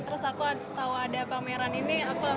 terus aku tahu ada pameran ini aku langsung datang